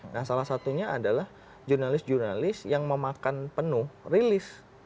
nah salah satunya adalah jurnalis jurnalis yang memakan penuh rilis